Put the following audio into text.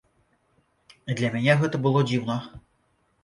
І для мяне гэта было дзіўна.